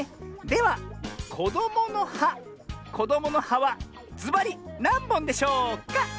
ではこどもの「は」こどもの「は」はずばりなんぼんでしょうか？